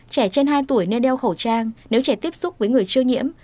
trẻ trên hai tuổi nên đeo khẩu trang nếu trẻ tiếp xúc với người chưa nhiễm